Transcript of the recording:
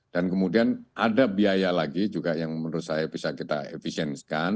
dan kemudian ada biaya lagi juga yang menurut saya bisa kita efisiensikan